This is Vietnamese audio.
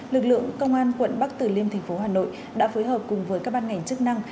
lực lượng công an quận bắc từ liêm tp hà nội đã phối hợp cùng với các ban ngành chức năng